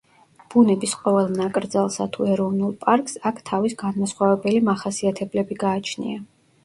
ბუნების ყოველ ნაკრძალსა თუ ეროვნულ პარკს აქ თავის განმასხვავებელი მახასიათებლები გააჩნია.